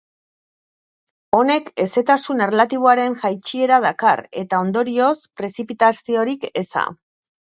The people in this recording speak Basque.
Honek hezetasun erlatiboaren jaitsiera dakar, eta ondorioz, prezipitaziorik eza.